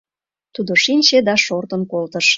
Тудо шинче да шортын колтыш.